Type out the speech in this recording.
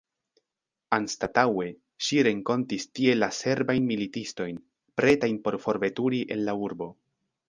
Anstataŭe, ŝi renkontis tie la serbajn militistojn, pretajn por forveturi el la urbo.